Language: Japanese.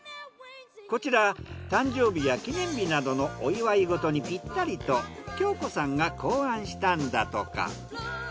こちら誕生日や記念日などのお祝い事にぴったりと京子さんが考案したんだとか。